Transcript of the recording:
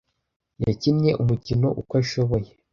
Yakinnye umukino uko ashoboye.